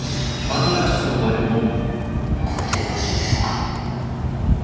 これでよろしいでしょうか？